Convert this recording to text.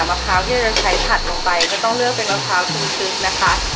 มะพร้าวที่เราจะใช้ผัดลงไปก็ต้องเลือกเป็นมะพร้าวซึบนะคะ